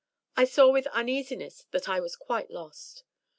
I saw with uneasiness that I was quite lost.